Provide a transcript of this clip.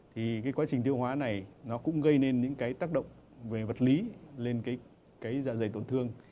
thì cái quá trình tiêu hóa này nó cũng gây nên những cái tác động về vật lý lên cái da dày tổn thương